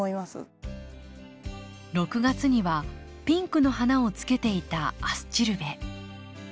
６月にはピンクの花をつけていたアスチルベ。